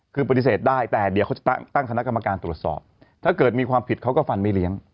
คือปฏิเสธได้แต่เดี๋ยวเขาจะตั้งคณะกรรมการตรวจสอบถ้าเกิดมีความผิดเขาก็ฟันไม่เลี้ยง